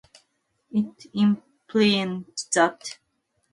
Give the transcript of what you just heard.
It implies that the task required a lot of effort or physical exertion.